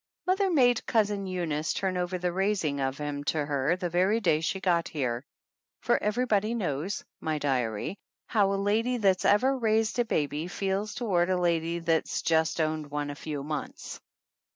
Mother made Cousin Eunice turn over the raising of him to her the very day she got here, for everybody knows, my diary, how a lady that's ever raised a baby feels toward a lady that's just owned one a few months.